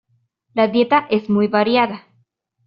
La dieta es muy variada.